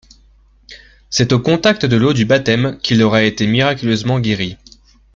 C'est au contact de l'eau du baptême qu'il aurait été miraculeusement guéri.